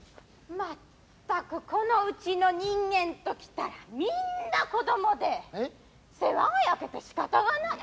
全くこのうちの人間と来たらみんな子供で世話が焼けてしかたがない。